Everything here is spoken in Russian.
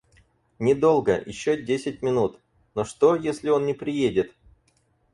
Недолго, еще десять минут... Но что, если он не приедет?